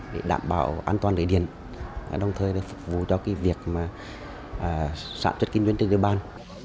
để đảm bảo an toàn lưới điện đồng thời phục vụ cho việc sản xuất kinh doanh trên địa bàn